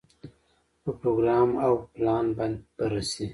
په پروګرام او پلان باندې بررسي.